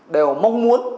đều mong muốn